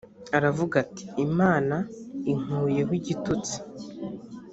aravuga ati imana inkuyeho igitutsi.